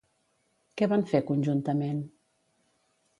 Què van fer conjuntament?